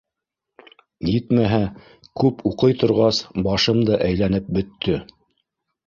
Етмәһә, күп уҡый торғас, башым да әйләнеп бөттө.